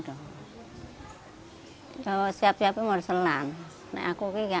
tapi saya tidak bisa selanjutnya